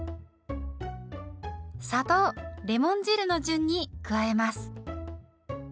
砂糖レモン汁の順に加えます。